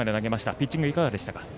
ピッチング、いかがでしたか？